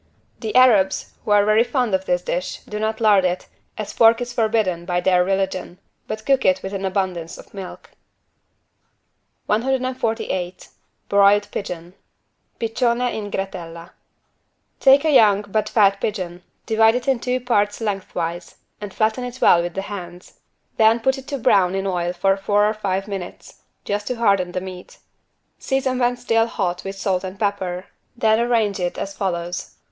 The Arabs, who are very fond of this dish, do not lard it, as pork is forbidden by their religion, but cook it with an abundance of milk. 148 BROILED PIGEON (Piccione in gratella) Take a young, but fat pigeon, divide it in two parts lengthwise and flatten it well with the hands. Then put it to brown in oil for four or five minutes, just to harden the meat. Season when still hot with salt and pepper, then arrange it as follows.